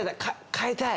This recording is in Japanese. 換えたい！